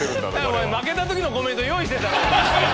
お前負けた時のコメント用意してただろ？